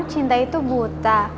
cinta itu buta